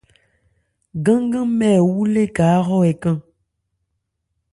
Gán-gánnmɛ ɛ wú léka áhrɔ́ ɛ kán ?